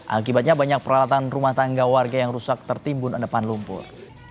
akibatnya banyak peralatan rumah tangga warga yang rusak tertimbun endapan lumpur